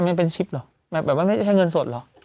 มันเป็นชิปเหรอแบบว่าไม่ใช่แค่เงินสดเหรอ